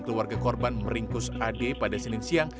keluarga korban meringkus ade pada senin siang